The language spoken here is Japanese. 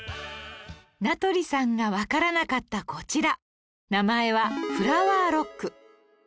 名取さんがわからなかったこちら名前はフラワーロック